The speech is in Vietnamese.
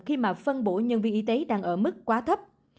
khi mà phân bổ nhân viên y tế đang ở mức quá thấp